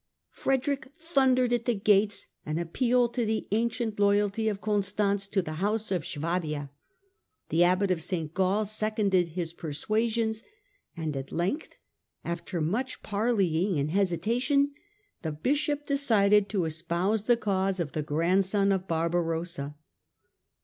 Frederick thundered at the gates and appealed to the ancient loyalty of Constance to the house of Suabia. The Abbot of St. Gall seconded his persuasions, and at length, after much parleying and hesitation, the Bishop decided to espouse the cause of the grandson of Barbarossa.